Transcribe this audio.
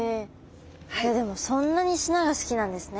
いやでもそんなに砂が好きなんですね